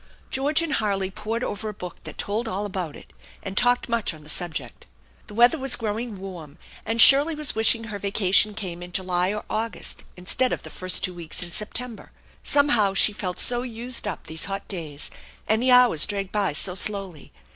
George and Harley pored over a book that told all about it, and talked much on the subject. The weather was growing warm, and Shirley was wishing her vacation came in July or August instead of the first two weeks in September. Somehow she felt so used up these hot days, and the hours dragged by so slowly.